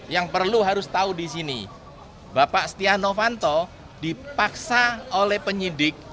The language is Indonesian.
yang perlu harus tahu di sini bapak setia novanto dipaksa oleh penyidik